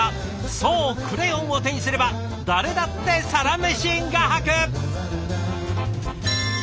そうクレヨンを手にすれば誰だってサラメシ画伯！